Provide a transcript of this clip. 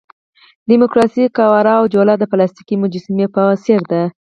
د ډیموکراسۍ قواره او جوله د پلاستیکي مجسمې په څېر ده.